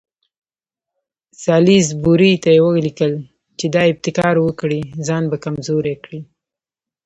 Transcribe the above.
سالیزبوري ته یې ولیکل چې که دا ابتکار وکړي ځان به کمزوری کړي.